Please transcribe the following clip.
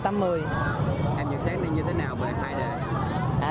em nhận xét như thế nào với hai đề